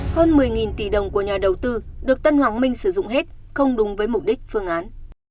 hơn một mươi tỷ đồng của nhà đầu tư được tân hoàng minh sử dụng hết không đúng với mục đích phương án